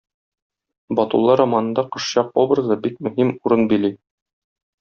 Батулла романында Кошчак образы бик мөһим урын били.